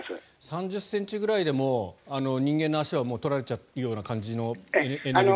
３０ｃｍぐらいでも人間の足はもう取られちゃうような感じのエネルギーだと。